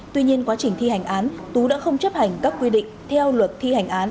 tuy nhiên quá trình thi hành án tú đã không chấp hành các quy định theo luật thi hành án